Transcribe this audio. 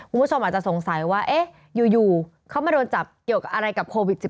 คุณผู้ชมอาจจะสงสัยว่าเอ๊ะอยู่เขามาโดนจับเกี่ยวกับอะไรกับโควิด๑๙